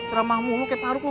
ceramah mulu kayak faruk loh